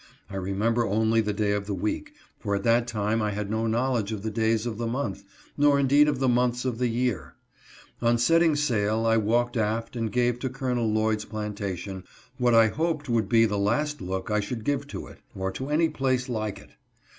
I remember only the day of the week, for at that time I had no knowledge of the days of the month, nor indeed of the months of the year. On setting sail I walked aft and gave to Col. Lloyd's planta tion what I hoped would be the last look I should give to it, or to any place like it.